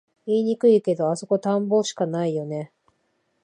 言いにくいけど、あそこ田んぼしかないよね